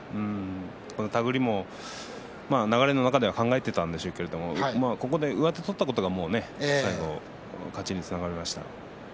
手繰りも流れの中では考えていたんでしょうけれども上手を取ったことも最後の勝ちにつながりました。